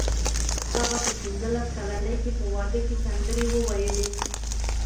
هغه په پنځلس کلنۍ کې په واده کې سندرې وویلې